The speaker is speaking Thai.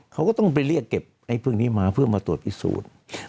เขาก็ต้องไปเรียกเก็บไอ้พวกนี้มาเพื่อมาตรวจพิสูจน์